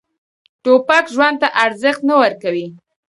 توپک ژوند ته ارزښت نه ورکوي.